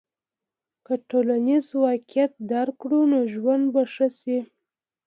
که ټولنیز واقعیت درک کړو نو ژوند به ښه سي.